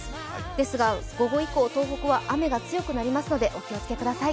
ですが午後以降、東北は雨が強くなりますのでお気をつけください。